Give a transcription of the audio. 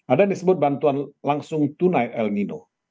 ada yang disebut bantuan langsung tunai el nino